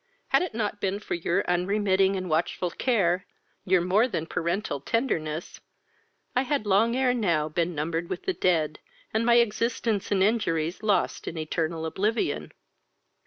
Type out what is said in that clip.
Had it not been for your unremitting and watchful care, your more than parental tenderness, I had long ere now been numbered with the dead, and my existence and injuries lost in eternal oblivion."